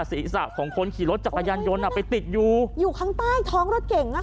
ศีรษะของคนขี่รถจากกำยันยนต์ไปติดอยู่อยู่ข้างใต้ท้องรถเก่งนะครับ